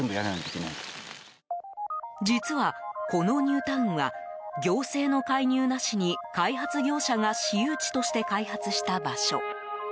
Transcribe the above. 実は、このニュータウンは行政の介入なしに開発業者が私有地として開発した場所。